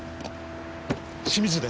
清水です。